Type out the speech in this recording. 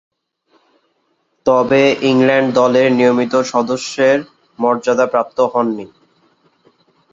তবে, ইংল্যান্ড দলের নিয়মিত সদস্যের মর্যাদাপ্রাপ্ত হননি।